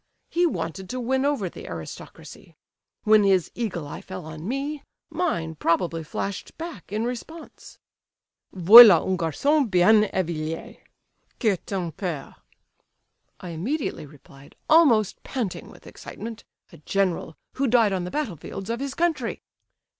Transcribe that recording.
He wanted to win over the aristocracy! When his eagle eye fell on me, mine probably flashed back in response. 'Voilà un garçon bien éveillé! Qui est ton père?' I immediately replied, almost panting with excitement, 'A general, who died on the battle fields of his country!